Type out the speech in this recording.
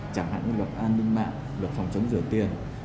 chẳng hạn như luật an ninh mạng luật phòng chống rửa tiền